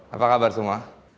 apa kabar semua